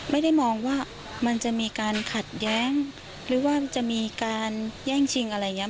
ไม่ได้มองว่ามันจะมีการขัดแย้งหรือว่าจะมีการแย่งชิงอะไรอย่างนี้